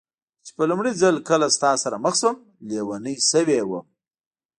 چې په لومړي ځل کله ستا سره مخ شوم، لېونۍ شوې وم.